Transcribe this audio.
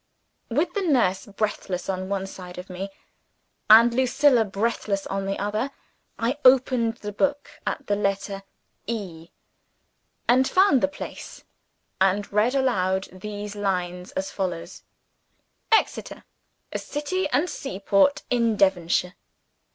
With the nurse breathless on one side of me, and Lucilla breathless on the other, I opened the book at the letter "E," and found the place, and read aloud these lines, as follows: "EXETER: A city and seaport in Devonshire.